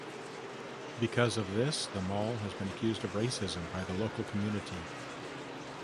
Because of this, the mall has been accused of racism by the local community.